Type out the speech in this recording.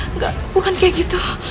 enggak bukan kayak gitu